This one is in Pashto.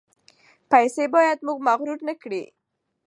پیسې باید موږ مغرور نکړي.